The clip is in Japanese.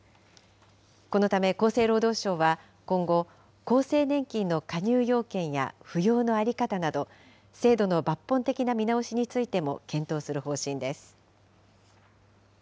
このため厚生労働省は今後、厚生年金の加入要件や扶養の在り方など、制度の抜本的な見直しについても検討する方針です。